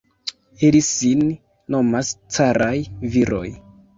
Ili sin nomas caraj viroj!